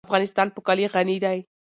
افغانستان په کلي غني دی.